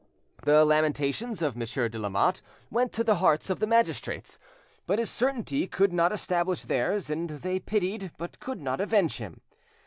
The lamentations of Monsieur de Lamotte went to the hearts of the magistrates, but his certainty could not establish theirs, and they pitied, but could not avenge him.